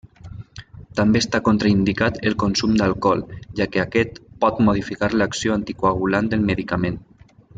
També està contraindicat el consum d'alcohol, ja que aquest pot modificar l'acció anticoagulant del medicament.